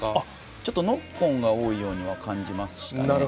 ちょっとノックオンが多いように感じましたね。